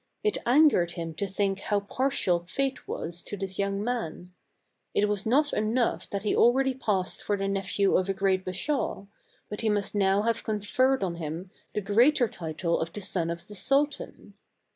It angered him to think how partial Fate was to this young man. It was not enough that he already passed for the nephew of a great Bashaw, but he must now have conferred on him the greater title of the son of the Sultan.